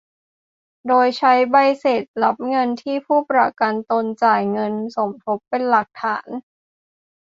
โดยใช้ใบเสร็จรับเงินที่ผู้ประกันตนจ่ายเงินสมทบเป็นหลักฐาน